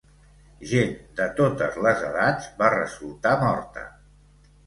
Gent de totes les edats va resultar morta.